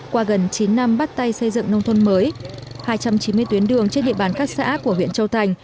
qua gần chín năm bắt tay xây dựng nông thôn mới hai trăm chín mươi tuyến đường trên địa bàn các xã của huyện châu thành